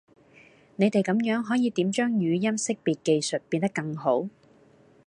你地咁樣可以點將語音識別技術變得更好?